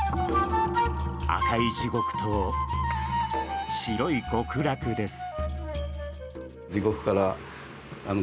赤い「地獄」と白い「極楽」です。